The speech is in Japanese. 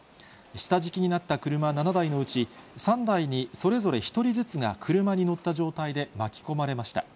下敷きになった車７台のうち、３台にそれぞれ１人ずつが車に乗った状態で、巻き込まれました。